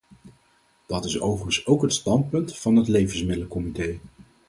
Dat is overigens ook het standpunt van het levensmiddelencomité.